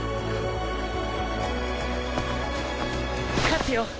勝つよ！